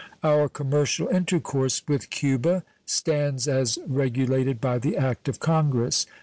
Our commercial intercourse with Cuba stands as regulated by the act of Congress.